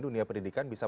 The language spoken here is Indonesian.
dunia pendidikan bisa